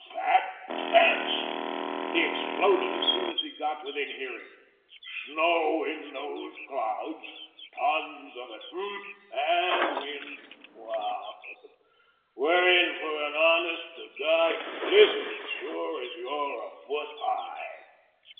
"Fat chance," he exploded as soon as he got within hearing. "Snow in those clouds tons of it. H'm! And wind. Wow! We're in for an honest to God blizzard, sure as you're a foot high."